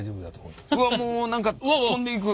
うわっもう何か飛んでいく。